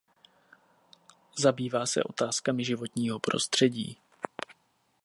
Zabývá se otázkami životního prostředí.